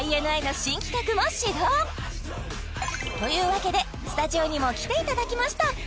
ＩＮＩの新企画も始動！というわけでスタジオにも来ていただきましたＬｏｇｉｎｔｏＵＳ！